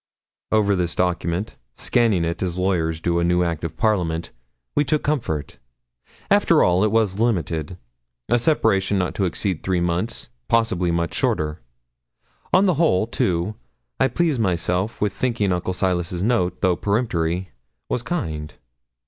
Over this document, scanning it as lawyers do a new Act of Parliament, we took comfort. After all, it was limited; a separation not to exceed three months, possibly much shorter. On the whole, too, I pleased myself with thinking Uncle Silas's note, though peremptory, was kind.